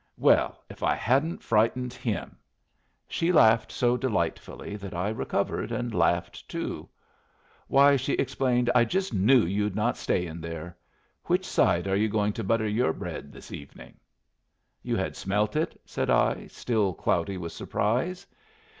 "Well, if I haven't frightened him!" She laughed so delightfully that I recovered and laughed too. "Why," she explained, "I just knew you'd not stay in there. Which side are you going to butter your bread this evening?" "You had smelt it?" said I, still cloudy with surprise.